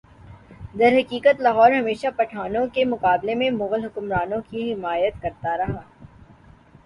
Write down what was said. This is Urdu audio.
درحقیقت لاہور ہمیشہ پٹھانوں کے مقابلہ میں مغل حکمرانوں کی حمایت کرتا رہا